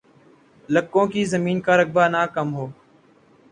لکوں کی زمین کا رقبہ نہ کم ہو